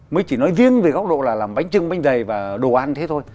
mới chỉ nói riêng về góc độ là làm bánh trưng bánh dày và đồ ăn thế thôi